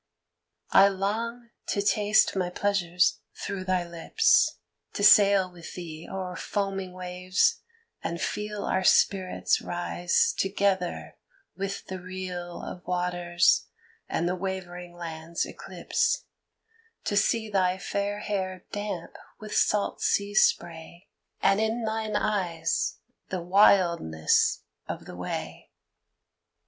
I long to taste my pleasures through thy lips, To sail with thee o'er foaming waves and feel Our spirits rise together with the reel Of waters and the wavering land's eclipse; To see thy fair hair damp with salt sea spray And in thine eyes the wildness of the way.